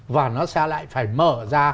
và nó sẽ lại phải mở ra